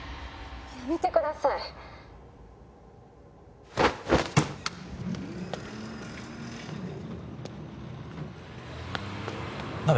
「やめてください」ナベ。